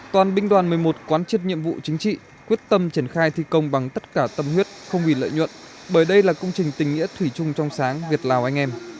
toàn binh đoàn một mươi một quan chức nhiệm vụ chính trị quyết tâm triển khai thi công bằng tất cả tâm huyết không vì lợi nhuận bởi đây là công trình tình nghĩa thủy chung trong sáng việt lào anh em